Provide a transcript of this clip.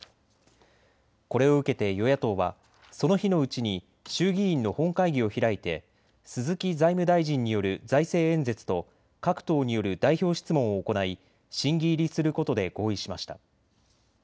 これを受けて与野党はその日のうちに衆議院の本会議を開いて鈴木財務大臣による財政演説と各党による代表質問を行い審議入りすることで合意しました。